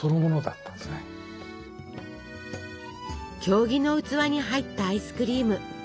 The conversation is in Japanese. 経木の器に入ったアイスクリーム。